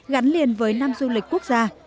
gắn liền với năm du lịch quốc gia